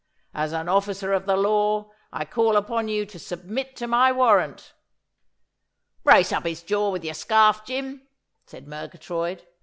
As an officer of the law I call upon you to submit to my warrant.' 'Brace up his jaw with your scarf, Jim,' said Murgatroyd.